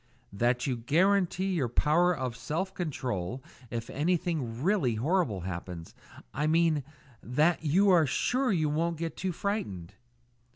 "That you guarantee your power of self control if anything really horrible happens. I mean that you are sure you won't get too frightened."